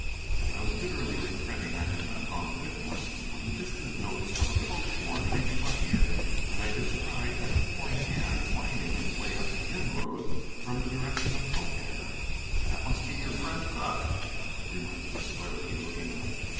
I was bitterly regretting I had not gone with him when the distant notes of a coach horn reached my ear, and I descried a four in hand winding its way up the inn road from the direction of Mohair. "That must be your friend Cooke," remarked the Celebrity, looking up.